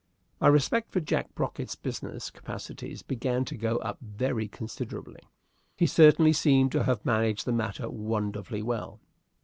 My respect for Jack Brocket's business capacities began to go up very considerably. He certainly seemed to have managed the matter wonderfully well.